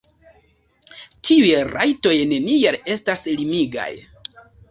Tiuj rajtoj neniel estas limigaj.